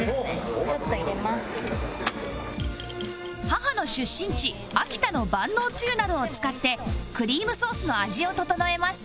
母の出身地秋田の万能つゆなどを使ってクリームソースの味を調えます